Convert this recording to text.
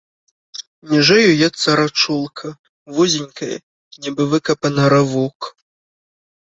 Ніжэй уецца рачулка, вузенькая, нібы выкапаны равок.